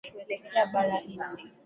au yanayotolewa kwa niaba ya serikali yao